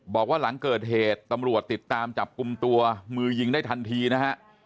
บอกว่าหลังเกิดเหตุตำรวจติดตามจับกลุ่มตัวมือยิงได้ทันทีนะฮะ